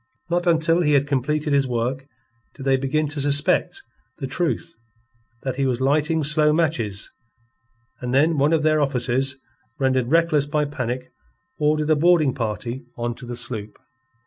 Not until he had completed his work did they begin to suspect the truth that he was lighting slow matches and then one of their officers rendered reckless by panic ordered a boarding party on to the shop.